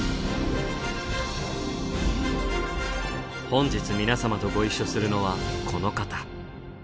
本日皆さまとご一緒するのはこの方。